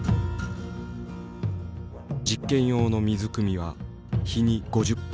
実験用の水くみは日に５０杯。